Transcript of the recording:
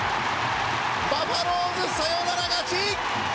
バファローズ、サヨナラ勝ち。